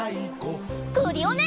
クリオネ！